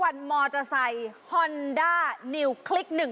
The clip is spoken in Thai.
คาถาที่สำหรับคุณ